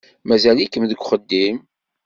Mazal-ikem deg uxeddim?